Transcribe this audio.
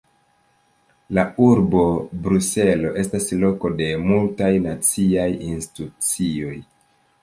La Urbo Bruselo estas loko de multaj naciaj institucioj.